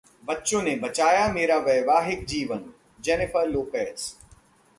बच्चों ने बचाया मेरा वैवाहिक जीवनः जेनिफर लोपेज